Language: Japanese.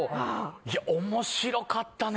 いや面白かったね。